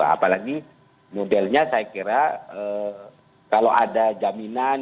apalagi modelnya saya kira kalau ada jaminan